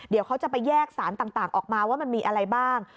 เดี๋ยวเขาจะไปแยกสารต่างออกมาว่ามันมีอะไรบ้าง